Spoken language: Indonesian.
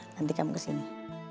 nanti kamu kesini